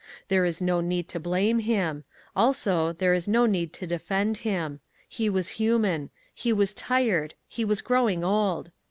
There is no need to blame him: also there is no need to defend him. He was human; he was tired; he was growing old.